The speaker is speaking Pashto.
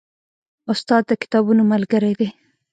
استاد د کتابونو ملګری دی.